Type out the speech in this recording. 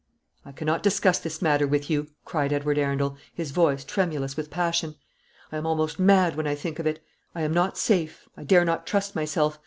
"I cannot discuss this matter with you," cried Edward Arundel, his voice tremulous with passion; "I am almost mad when I think of it. I am not safe; I dare not trust myself.